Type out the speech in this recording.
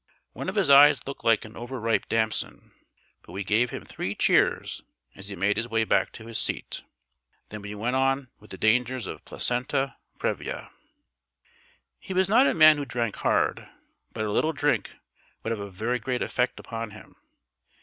One of his eyes looked like an over ripe damson, but we gave him three cheers as he made his way back to his seat. Then we went on with the dangers of Placenta Praevia. He was not a man who drank hard, but a little drink would have a very great effect upon him.